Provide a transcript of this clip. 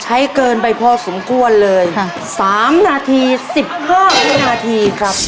ใช้เกินไปพอสมควรเลย๓นาที๑๕นาทีครับ